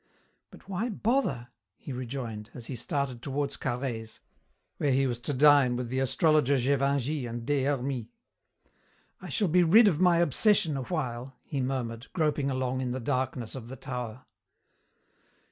"But why bother?" he rejoined, as he started toward Carhaix's, where he was to dine with the astrologer Gévingey and Des Hermies. "I shall be rid of my obsession awhile," he murmured, groping along in the darkness of the tower.